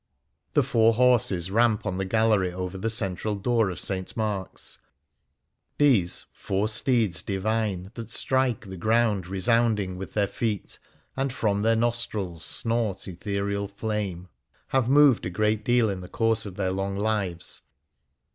The four horses ramp on the gallery over the central door of St. Mark's. These " Four steeds divine That strike the ground resounding' with their feet^ And from their nostrils snort ethereal flame," have moved a great deal in the course of their long lives.